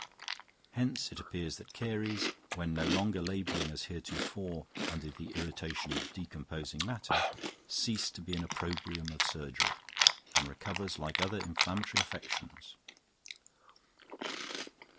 Hence it appears that caries, when no longer labouring as heretofore under the irritation of decomposing matter, ceases to be an opprobrium of surgery, and recovers like other inflammatory affections.